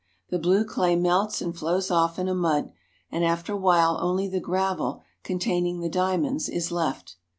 The blue clay melts and flows off in a mud, and after a while only the gravel containing the dia monds is left.